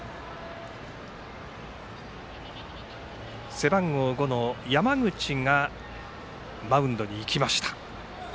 背番号５の山口がマウンドに行きました。